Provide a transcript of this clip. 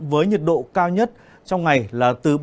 với nhiệt độ cao nhất trong ngày là từ ba mươi đến ba mươi ba độ